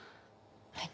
はい。